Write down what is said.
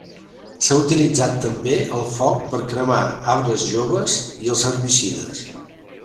S'ha utilitzat també el foc per cremar arbres joves i els herbicides.